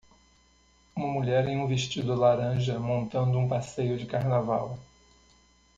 Uma mulher em um vestido laranja, montando um passeio de carnaval.